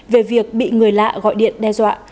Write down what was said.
về việc bị người lạ gọi điện đe dọa